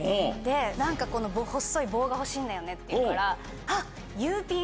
何か細い棒が欲しいんだよねって言うからハッＵピン！